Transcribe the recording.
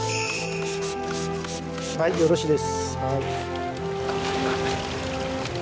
はいよろしいです。